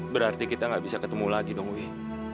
berarti kita gak bisa ketemu lagi dong wih